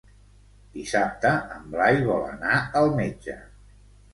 Dissabte en Blai vol anar al metge.